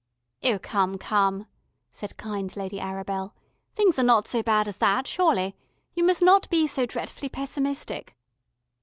"Oh, come, come," said kind Lady Arabel. "Things are not so bad as that, surely. You must not be so dretfully pessimistic."